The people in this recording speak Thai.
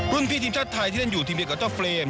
พี่ทีมชาติไทยที่เล่นอยู่ทีมเดียวกับเจ้าเฟรม